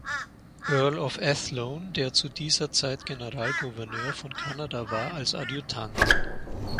Earl of Athlone, der zu dieser Zeit Generalgouverneur von Kanada war, als Adjutant.